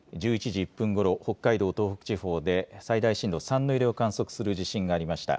１１時１分ごろ、北海道、東北地方で最大震度３の揺れを観測する地震がありました。